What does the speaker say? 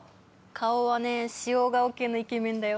顔はね塩顔系のイケメンだよ。